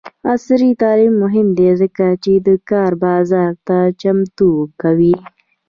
عصري تعلیم مهم دی ځکه چې د کار بازار ته چمتو کوي.